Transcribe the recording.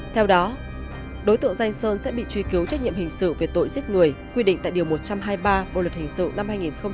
theo đó đối tượng danh sơn sẽ bị truy cứu trách nhiệm hình sự về tội giết người quy định tại điều một trăm hai mươi ba bộ luật hình sự năm hai nghìn một mươi năm